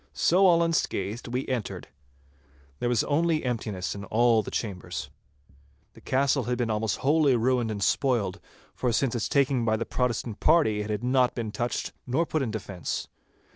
So all unscathed we entered. There was only emptiness in all the chambers. The castle had been almost wholly ruined and spoiled, for since its taking by the Protestant party, it had not been touched nor put in defence.